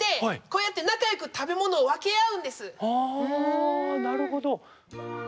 ああなるほど。